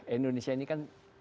indonesia ini kan